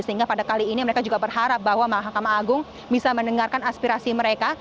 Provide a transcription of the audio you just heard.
sehingga pada kali ini mereka juga berharap bahwa mahkamah agung bisa mendengarkan aspirasi mereka